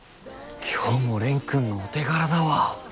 今日も蓮くんのお手柄だわ。